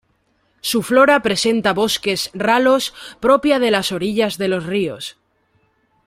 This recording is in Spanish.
Su flora presenta bosques ralos propia de las orillas de los ríos.